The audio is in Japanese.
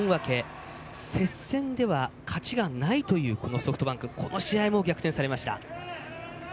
接戦では勝ちがないというソフトバンクこの試合も逆転されています。